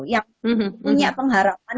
yang punya pengharapan